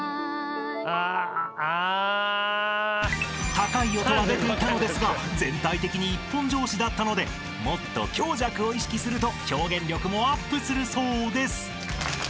［高い音は出ていたのですが全体的に一本調子だったのでもっと強弱を意識すると表現力もアップするそうです］